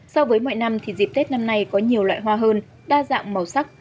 so với mọi năm thì dịp tết năm nay có nhiều loại hoa hơn đa dạng màu sắc